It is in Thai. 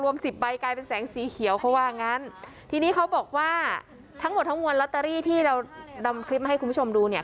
สิบใบกลายเป็นแสงสีเขียวเขาว่างั้นทีนี้เขาบอกว่าทั้งหมดทั้งมวลลอตเตอรี่ที่เรานำคลิปมาให้คุณผู้ชมดูเนี่ย